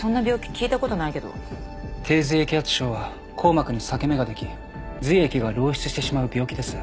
低髄液圧症は硬膜に裂け目ができ髄液が漏出してしまう病気です。